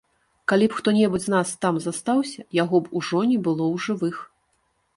Калі б хто-небудзь з нас там застаўся, яго б ужо не было ў жывых.